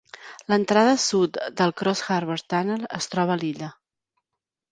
L'entrada sud del Cross-Harbour Tunnel es troba a l'illa.